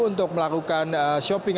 untuk melakukan shopping